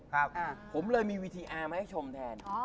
ผมเลยมีวิทยามาให้ชมแทน